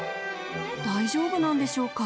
大丈夫なんでしょうか。